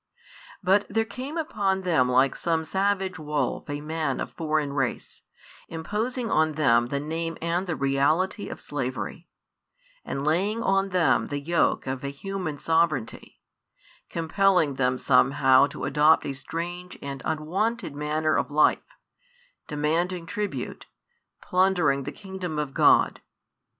But there came upon them like some savage wolf a man of foreign race, imposing on them the name and the reality of slavery, and laying on them the yoke of a human sovereignty, compelling them somehow to adopt a strange and unwonted manner of life, demanding tribute, plundering the kingdom of God.